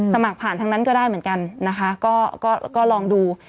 สมัครผ่านทางนั้นก็ได้เหมือนกันนะคะก็ลองดู